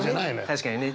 確かにね。